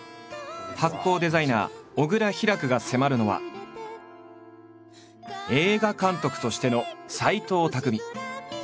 発酵デザイナー・小倉ヒラクが迫るのは映画監督としての斎藤工。